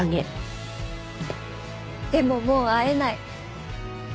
でももう会えない。